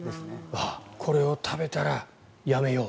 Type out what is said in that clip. これを食べたらやめよう。